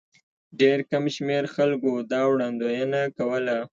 ډېر کم شمېر خلکو دا وړاندوینه کوله.